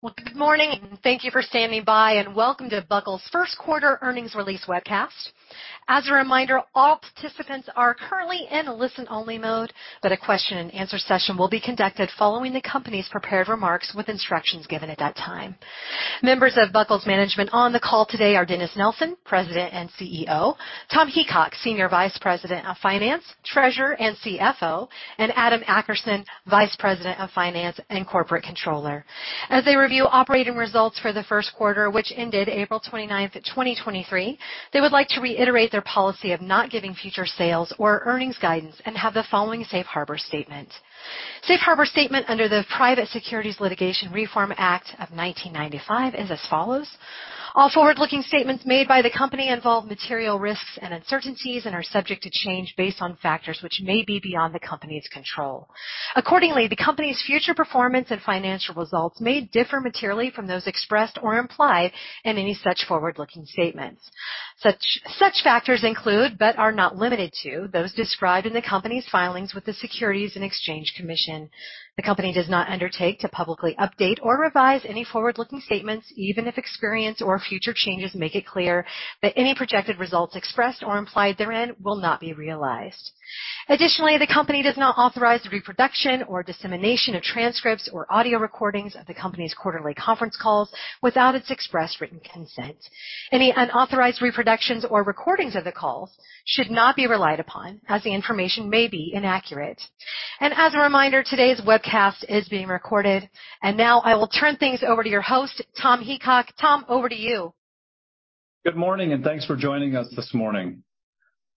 Well, good morning, and thank you for standing by, and welcome to Buckle's First Quarter Earnings Release Webcast. As a reminder, all participants are currently in a listen-only mode, but a question-and-answer session will be conducted following the company's prepared remarks, with instructions given at that time. Members of Buckle's management on the call today are Dennis Nelson, President and CEO, Tom Heacock, Senior Vice President of Finance, Treasurer, and CFO, and Adam Akerson, Vice President of Finance and Corporate Controller. As they review operating results for the first quarter, which ended April 29th, 2023, they would like to reiterate their policy of not giving future sales or earnings guidance and have the following safe harbor statement. Safe harbor statement under the Private Securities Litigation Reform Act of 1995 is as follows: All forward-looking statements made by the company involve material risks and uncertainties and are subject to change based on factors which may be beyond the company's control. Accordingly, the company's future performance and financial results may differ materially from those expressed or implied in any such forward-looking statements. Such factors include, but are not limited to, those described in the company's filings with the Securities and Exchange Commission. The company does not undertake to publicly update or revise any forward-looking statements, even if experience or future changes make it clear that any projected results expressed or implied therein will not be realized. Additionally, the company does not authorize the reproduction or dissemination of transcripts or audio recordings of the company's quarterly conference calls without its express written consent. Any unauthorized reproductions or recordings of the call should not be relied upon, as the information may be inaccurate. As a reminder, today's webcast is being recorded. Now I will turn things over to your host, Tom Heacock. Tom, over to you. Good morning, and thanks for joining us this morning.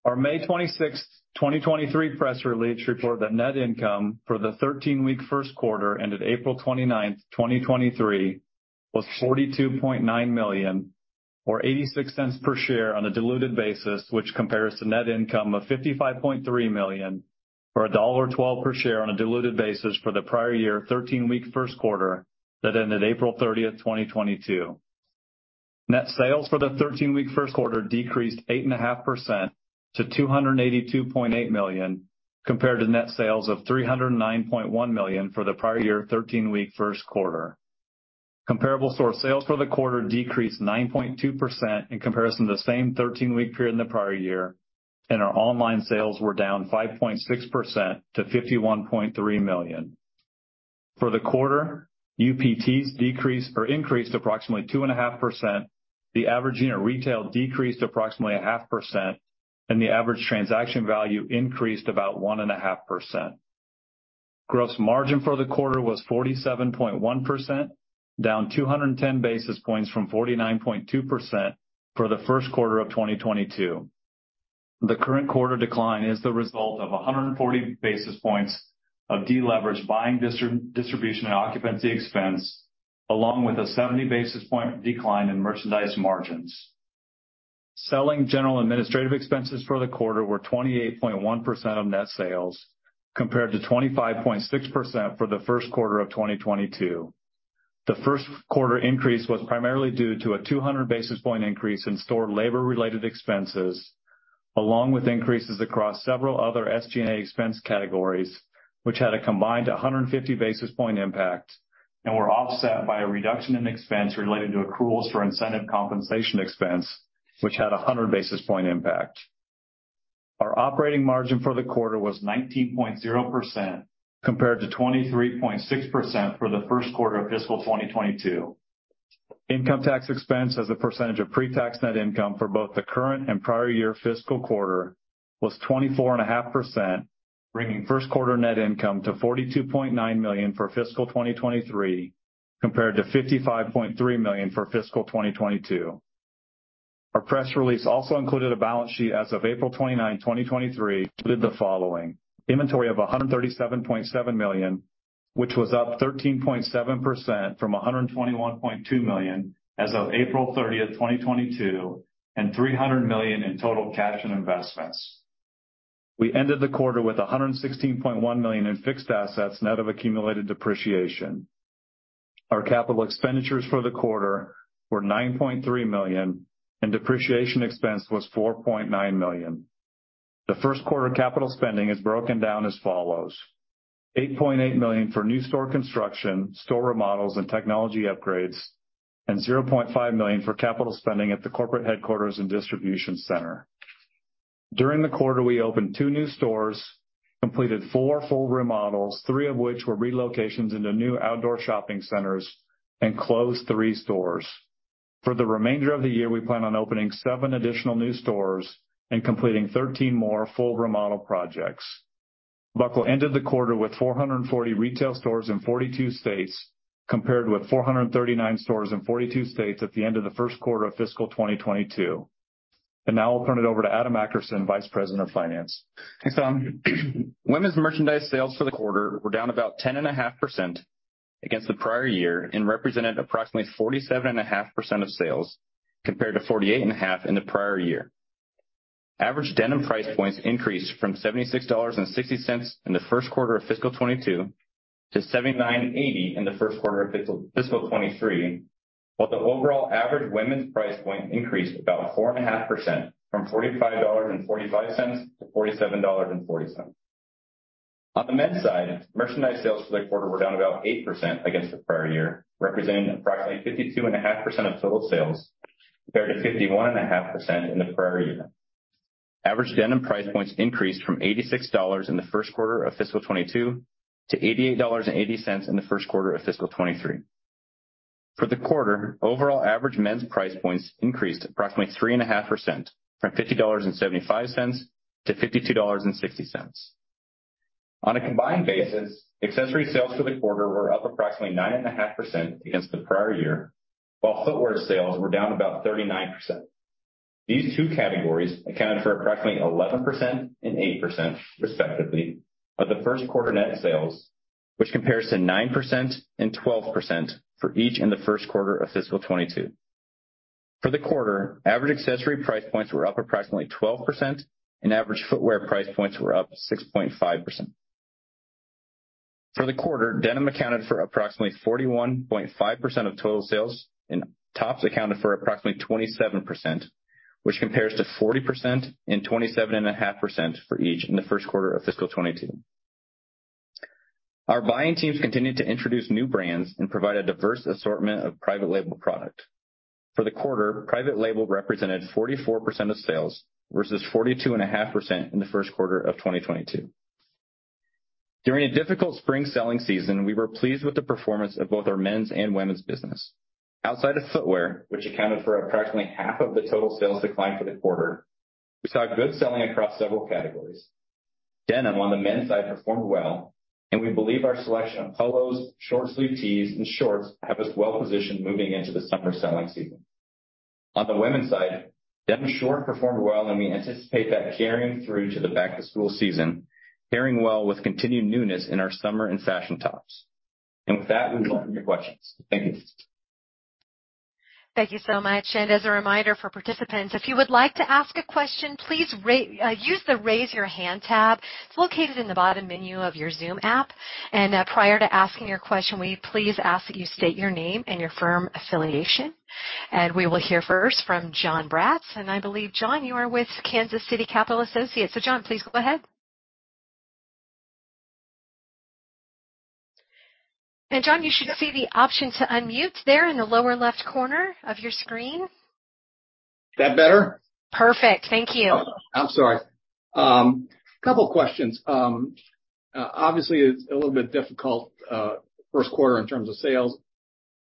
Our May 26th, 2023, press release reported that net income for the 13-week first quarter ended April 29, 2023, was $42.9 million, or $0.86 per share on a diluted basis, which compares to net income of $55.3 million, or $1.12 per share on a diluted basis for the prior year, 13-week first quarter that ended April 30th, 2022. Net sales for the 13-week first quarter decreased 8.5% to $282.8 million, compared to net sales of $309.1 million for the prior year, 13-week first quarter. Comparable store sales for the quarter decreased 9.2% in comparison to the same 13-week period in the prior year. Our online sales were down 5.6% to $51.3 million. For the quarter, UPTs decreased or increased approximately 2.5%. The average unit retail decreased approximately 0.5%. The average transaction value increased about 1.5%. Gross margin for the quarter was 47.1%, down 210 basis points from 49.2% for the first quarter of 2022. The current quarter decline is the result of 140 basis points of deleverage buying distribution and occupancy expense, along with a 70 basis point decline in merchandise margins. Selling general administrative expenses for the quarter were 28.1% of net sales, compared to 25.6% for the first quarter of 2022. The first quarter increase was primarily due to a 200 basis point increase in store labor-related expenses, along with increases across several other SG&A expense categories, which had a combined 150 basis point impact and were offset by a reduction in expense related to accruals for incentive compensation expense, which had a 100 basis point impact. Our operating margin for the quarter was 19.0%, compared to 23.6% for the first quarter of fiscal 2022. Income tax expense as a percentage of pre-tax net income for both the current and prior year fiscal quarter was 24.5%, bringing first quarter net income to $42.9 million for fiscal 2023, compared to $55.3 million for fiscal 2022. Our press release also included a balance sheet as of April 29th, 2023, including the following: inventory of $137.7 million, which was up 13.7% from $121.2 million as of April 30th, 2022, and $300 million in total cash and investments. We ended the quarter with $116.1 million in fixed assets net of accumulated depreciation. Our capital expenditures for the quarter were $9.3 million, and depreciation expense was $4.9 million. The first quarter capital spending is broken down as follows: $8.8 million for new store construction, store remodels, and technology upgrades, and $0.5 million for capital spending at the corporate headquarters and distribution center. During the quarter, we opened two new stores, completed four full remodels, three of which were relocations into new outdoor shopping centers, and closed three stores. For the remainder of the year, we plan on opening seven additional new stores and completing 13 more full remodel projects. Buckle ended the quarter with 440 retail stores in 42 states, compared with 439 stores in 42 states at the end of the first quarter of fiscal 2022. Now I'll turn it over to Adam Akerson, Vice President of Finance. Thanks, Tom. Women's merchandise sales for the quarter were down about 10.5% against the prior year and represented approximately 47.5% of sales, compared to 48.5% in the prior year. Average denim price points increased from $76.60 in the first quarter of fiscal 2022 to $79.80 in the first quarter of fiscal 2023. The overall average women's price point increased about 4.5%, from $45.45 to $47.40. On the men's side, merchandise sales for the quarter were down about 8% against the prior year, representing approximately 52.5% of total sales, compared to 51.5% in the prior year. Average denim price points increased from $86 in the first quarter of fiscal 2022 to $88.80 in the first quarter of fiscal 2023. For the quarter, overall average men's price points increased approximately 3.5%, from $50.75 to $52.60. On a combined basis, accessory sales for the quarter were up approximately 9.5% against the prior year, while footwear sales were down about 39%. These two categories accounted for approximately 11% and 8%, respectively, of the first quarter net sales, which compares to 9% and 12% for each in the first quarter of fiscal 2022. For the quarter, average accessory price points were up approximately 12%, and average footwear price points were up 6.5%. For the quarter, denim accounted for approximately 41.5% of total sales, and tops accounted for approximately 27%, which compares to 40% and 27.5% for each in the first quarter of fiscal 2022. Our buying teams continued to introduce new brands and provide a diverse assortment of private label product. For the quarter, private label represented 44% of sales, versus 42.5% in the first quarter of 2022. During a difficult spring selling season, we were pleased with the performance of both our men's and women's business. Outside of footwear, which accounted for approximately half of the total sales decline for the quarter, we saw good selling across several categories. Denim on the men's side performed well, and we believe our selection of polos, short-sleeved tees, and shorts have us well positioned moving into the summer selling season. On the women's side, denim short performed well, and we anticipate that carrying through to the back-to-school season, pairing well with continued newness in our summer and fashion tops. With that, we welcome your questions. Thank you. Thank you so much. As a reminder for participants, if you would like to ask a question, please use the Raise Your Hand tab. It's located in the bottom menu of your Zoom app. Prior to asking your question, we please ask that you state your name and your firm affiliation. We will hear first from Jon Braatz. I believe, Jon, you are with Kansas City Capital Associates. Jon, please go ahead. Jon, you should see the option to unmute there in the lower left corner of your screen. That better? Perfect. Thank you. I'm sorry. Couple questions. Obviously, it's a little bit difficult, first quarter in terms of sales.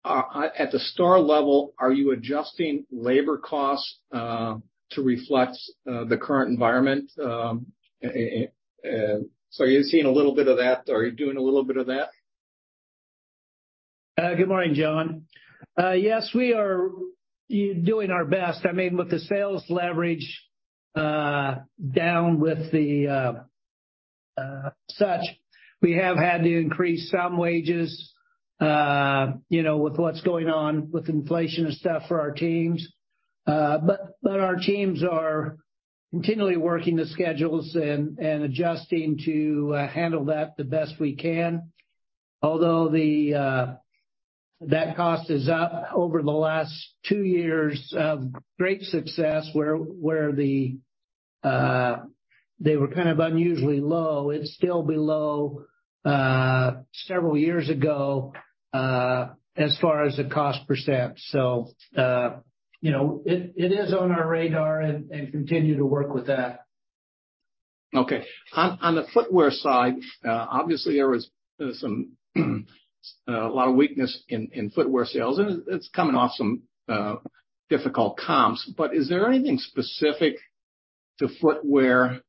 At the store level, are you adjusting labor costs, to reflect, the current environment? Are you seeing a little bit of that? Are you doing a little bit of that? Good morning, Jon. Yes, we are doing our best. I mean, with the sales leverage down with the such, we have had to increase some wages, you know, with what's going on with inflation and stuff for our teams. Our teams are continually working the schedules and adjusting to handle that the best we can. Although the that cost is up over the last two years of great success, where the they were kind of unusually low. It's still below several years ago as far as the cost percent. You know, it is on our radar and continue to work with that. Okay. On the footwear side, obviously, there was a lot of weakness in footwear sales, and it's coming off some difficult comps. Is there anything specific to footwear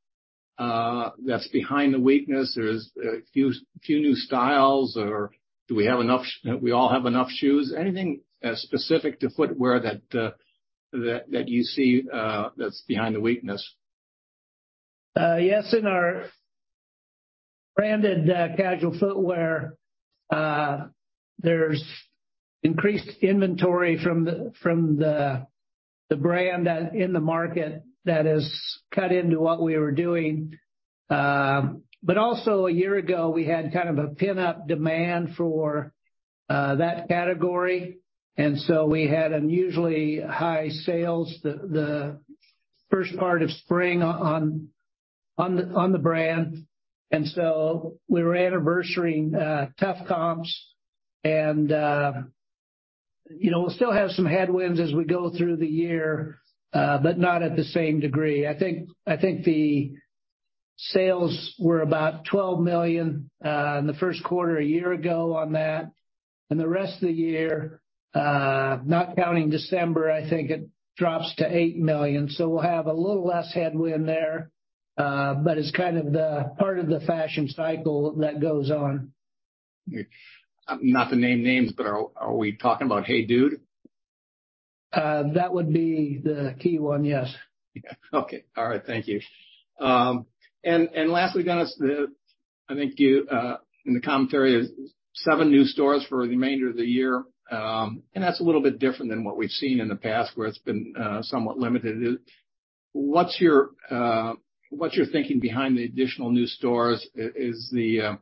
that's behind the weakness? There's a few new styles, or we all have enough shoes? Anything specific to footwear that you see that's behind the weakness? Yes, in our branded, casual footwear, there's increased inventory from the brand that in the market that has cut into what we were doing. Also, a year ago, we had kind of a pent-up demand for that category, and so we had unusually high sales the first part of spring on the brand. We were anniversarying tough comps and, you know, we'll still have some headwinds as we go through the year, but not at the same degree. I think the sales were about $12 million in the first quarter a year ago on that, and the rest of the year, not counting December, I think it drops to $8 million. We'll have a little less headwind there, but it's kind of the part of the fashion cycle that goes on. Not to name names, but are we talking about HEYDUDE? That would be the key one, yes. Okay. All right. Thank you. Lastly, Dennis, I think you in the commentary, seven new stores for the remainder of the year. That's a little bit different than what we've seen in the past, where it's been somewhat limited. What's your thinking behind the additional new stores? Are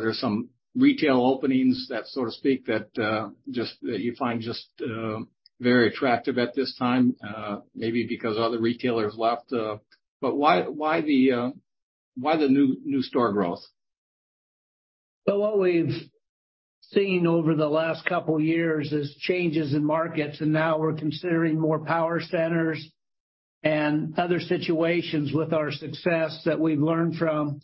there some retail openings that, so to speak, that you find very attractive at this time? Maybe because other retailers left, why the new store growth? What we've seen over the last couple of years is changes in markets, and now we're considering more power centers and other situations with our success that we've learned from,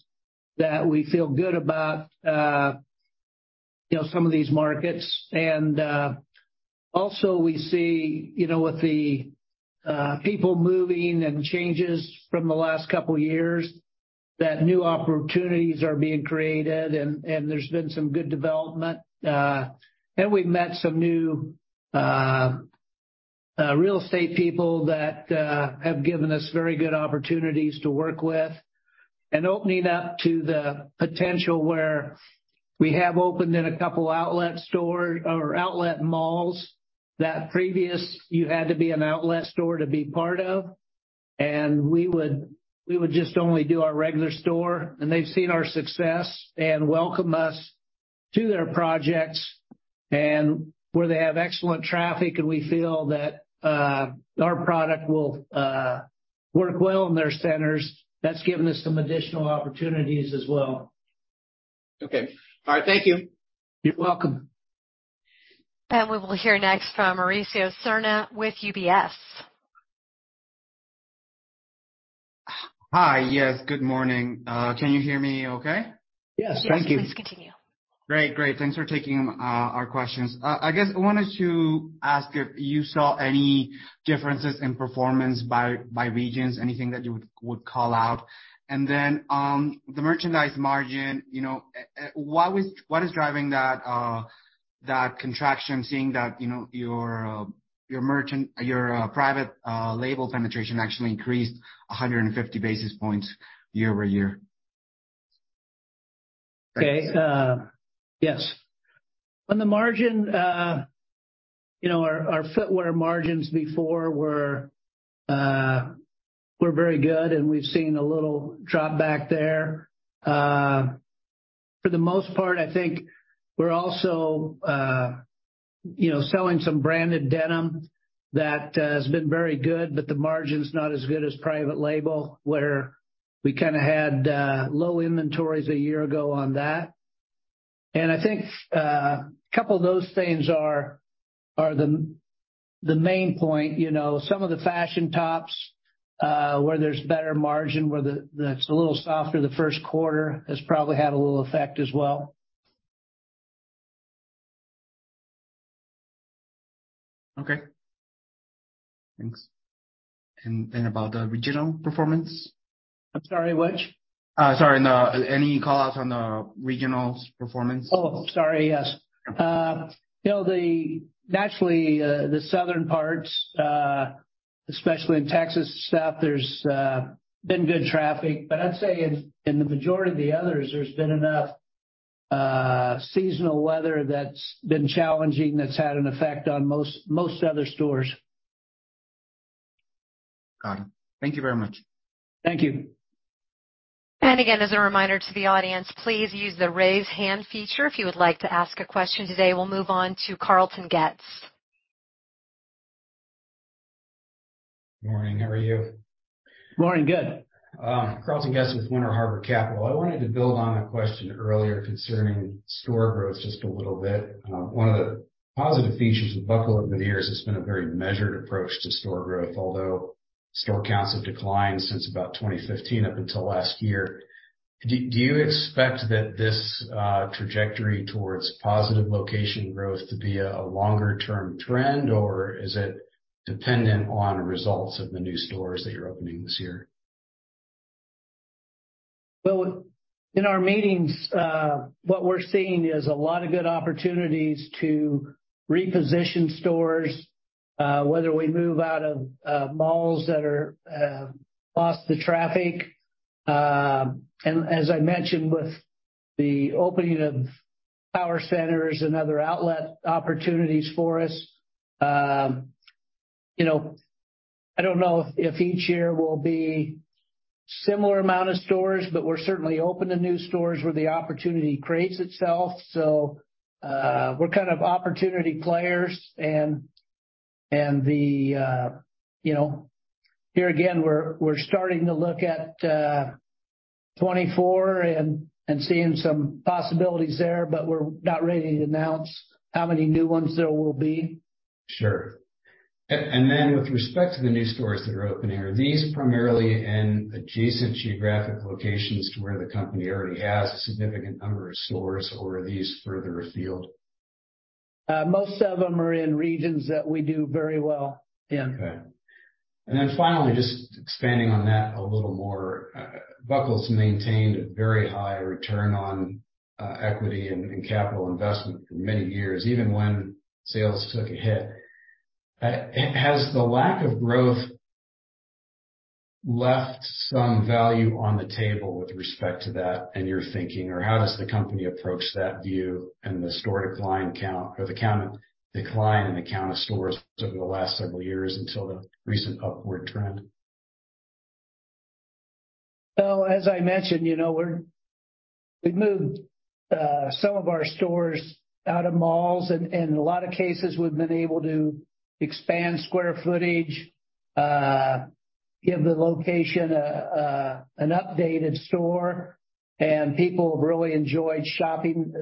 that we feel good about, you know, some of these markets. Also we see, you know, with the people moving and changes from the last couple of years, that new opportunities are being created and there's been some good development. We've met some new real estate people that have given us very good opportunities to work with. Opening up to the potential where we have opened in a couple outlet store or outlet malls, that previous you had to be an outlet store to be part of, and we would just only do our regular store. They've seen our success and welcome us to their projects and where they have excellent traffic, and we feel that, our product will, work well in their centers. That's given us some additional opportunities as well. Okay. All right. Thank you. You're welcome. We will hear next from Mauricio Serna with UBS. Hi. Yes, good morning. Can you hear me okay? Yes. Thank you. Yes, please continue. Great. Great, thanks for taking our questions. I guess I wanted to ask if you saw any differences in performance by regions, anything that you would call out? On the merchandise margin, you know, what is driving that contraction, seeing that, you know, your private label penetration actually increased 150 basis points year-over-year? Okay. Yes. On the margin, you know, our footwear margins before were very good, and we've seen a little drop back there. For the most part, I think we're also, you know, selling some branded denim that has been very good, but the margin's not as good as private label, where we kind of had low inventories a year ago on that. I think a couple of those things are the main point, you know, some of the fashion tops, where there's better margin, where that's a little softer, the first quarter has probably had a little effect as well. Okay. Thanks. And about the regional performance? I'm sorry, which? sorry, any call outs on the regional performance? Oh, sorry, yes. You know, naturally, the southern parts, especially in Texas South, there's been good traffic. I'd say in the majority of the others, there's been enough seasonal weather that's been challenging, that's had an effect on most other stores. Got it. Thank you very much. Thank you. Again, as a reminder to the audience, please use the Raise Hand feature if you would like to ask a question today. We'll move on to Carlton Getz. Morning. How are you? Morning. Good. Carlton Getz with Winter Harbor Capital. I wanted to build on a question earlier concerning store growth just a little bit. One of the positive features of Buckle over the years has been a very measured approach to store growth, although store counts have declined since about 2015 up until last year. Do you expect that this trajectory towards positive location growth to be a longer term trend, or is it dependent on results of the new stores that you're opening this year? Well, in our meetings, what we're seeing is a lot of good opportunities to reposition stores, whether we move out of malls that are lost to traffic. As I mentioned, with the opening of power centers and other outlet opportunities for us, you know, I don't know if each year will be similar amount of stores, but we're certainly open to new stores where the opportunity creates itself. We're kind of opportunity players and the, you know, here again, we're starting to look at 2024 and seeing some possibilities there, but we're not ready to announce how many new ones there will be. Sure. with respect to the new stores that are opening, are these primarily in adjacent geographic locations to where the company already has a significant number of stores, or are these further afield? Most of them are in regions that we do very well in. Okay. finally, just expanding on that a little more. Buckle's maintained a very high return on equity and capital investment for many years, even when sales took a hit. Has the lack of growth left some value on the table with respect to that in your thinking, or how does the company approach that view and the store decline count, or the decline in the count of stores over the last several years until the recent upward trend? As I mentioned, you know, we're, we've moved, some of our stores out of malls, and in a lot of cases, we've been able to expand square footage, give the location, an updated store, and people have really enjoyed shopping,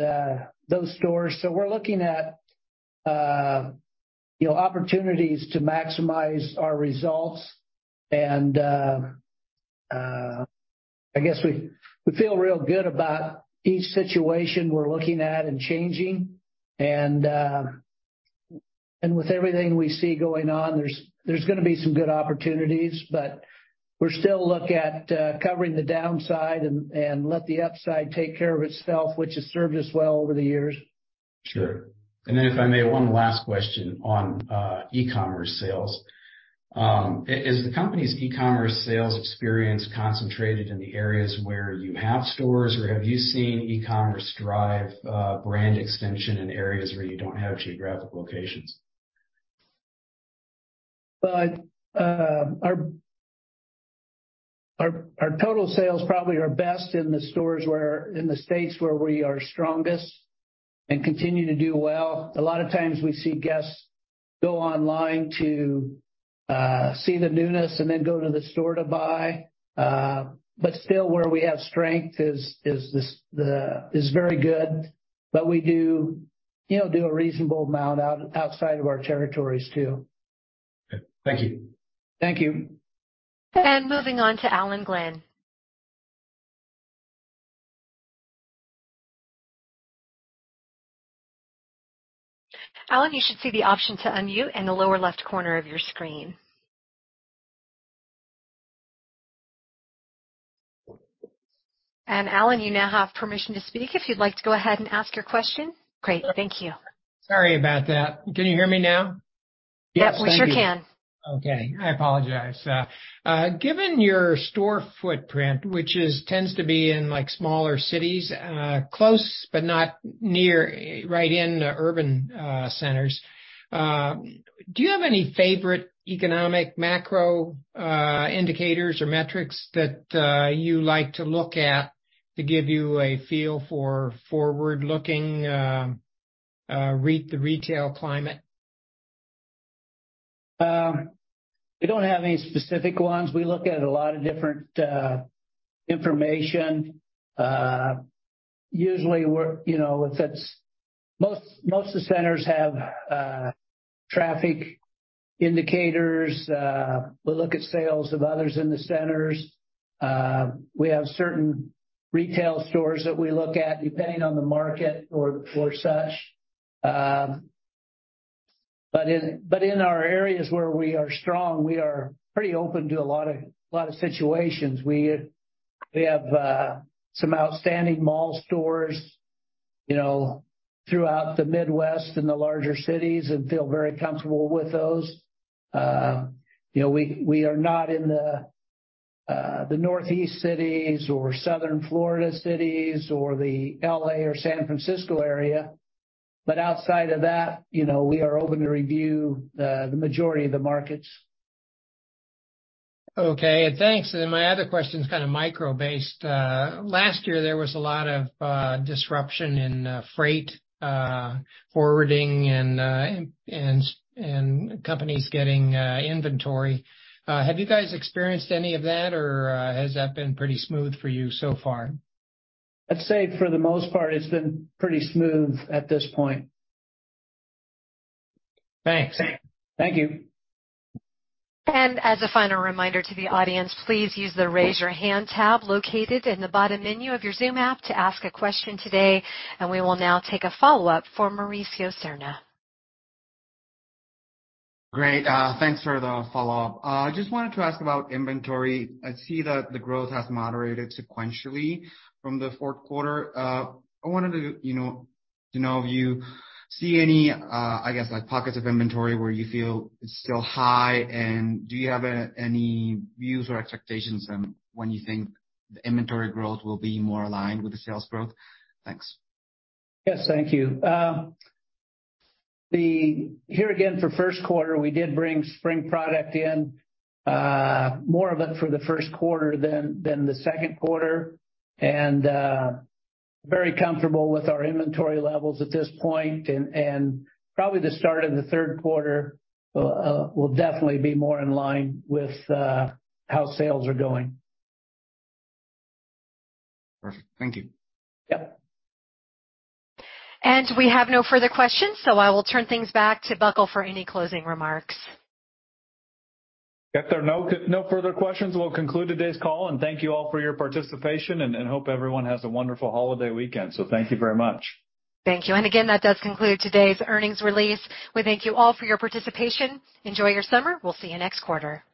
those stores. We're looking at, you know, opportunities to maximize our results. I guess we feel real good about each situation we're looking at and changing. With everything we see going on, there's gonna be some good opportunities. We're still look at, covering the downside and let the upside take care of itself, which has served us well over the years. Sure. If I may, one last question on e-commerce sales. Is the company's e-commerce sales experience concentrated in the areas where you have stores, or have you seen e-commerce drive brand extension in areas where you don't have geographic locations? Our total sales probably are best in the stores in the states where we are strongest and continue to do well. A lot of times we see guests go online to see the newness and then go to the store to buy. Still where we have strength is very good, but we do, you know, do a reasonable amount outside of our territories too. Thank you. Thank you. Moving on to Alan Glenn. Alan, you should see the option to unmute in the lower left corner of your screen. Alan, you now have permission to speak if you'd like to go ahead and ask your question. Great. Thank you. Sorry about that. Can you hear me now? Yep, we sure can. I apologize. given your store footprint, which is tends to be in, like, smaller cities, close, but not near, right in the urban, centers, do you have any favorite economic macro, indicators or metrics that, you like to look at to give you a feel for forward-looking, the retail climate? We don't have any specific ones. We look at a lot of different information. Usually we're, you know, if it's... Most of the centers have traffic indicators. We look at sales of others in the centers. We have certain retail stores that we look at, depending on the market or such. In our areas where we are strong, we are pretty open to a lot of situations. We have some outstanding mall stores, you know, throughout the Midwest and the larger cities and feel very comfortable with those. You know, we are not in the Northeast cities or Southern Florida cities or the L.A. or San Francisco area. Outside of that, you know, we are open to review the majority of the markets. Okay, thanks. My other question is kind of micro-based. Last year, there was a lot of disruption in freight forwarding and companies getting inventory. Have you guys experienced any of that, or has that been pretty smooth for you so far? I'd say for the most part, it's been pretty smooth at this point. Thanks. Thank you. As a final reminder to the audience, please use the Raise Your Hand tab located in the bottom menu of your Zoom app to ask a question today. We will now take a follow-up for Mauricio Serna. Great. Thanks for the follow-up. I just wanted to ask about inventory. I see that the growth has moderated sequentially from the fourth quarter. I wanted to, you know, to know if you see any, I guess, like, pockets of inventory where you feel it's still high, and do you have any views or expectations on when you think the inventory growth will be more aligned with the sales growth? Thanks. Yes, thank you. Here again, for first quarter, we did bring spring product in, more of it for the first quarter than the second quarter, very comfortable with our inventory levels at this point. Probably the start of the third quarter will definitely be more in line with how sales are going. Perfect. Thank you. Yep. We have no further questions. I will turn things back to Buckle for any closing remarks. If there are no further questions, we'll conclude today's call and thank you all for your participation, and hope everyone has a wonderful holiday weekend. Thank you very much. Thank you. Again, that does conclude today's earnings release. We thank you all for your participation. Enjoy your summer. We'll see you next quarter.